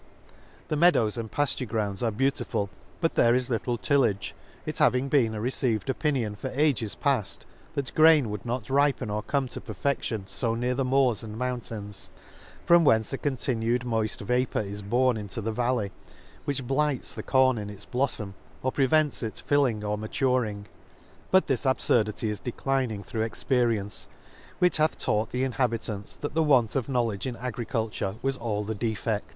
— The meadows and * Colling's Peerage, the Lakes. 39 and pafture grounds are beautiful, but there is little tillage, it having been a re ceived opinion for ages paft, that grain would not ripen or come to perfe&ion fo near the moors and mountains, from whence a continued moid vapour is borne into the valley, which blights the corn in its blofTom, or prevents it filling or maturing. But this abfurdity is declin ing through experience; which hath taught the inhabitants, that the want of knowledge in agriculture was all the de fed.